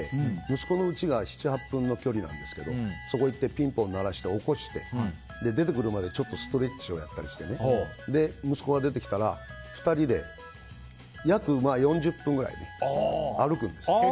息子のうちが７８分の距離なんですけどそこに行ってピンポン鳴らして起こして出てくるまでちょっとストレッチをやったりして息子が出てきたら２人で約４０分くらい歩くんです。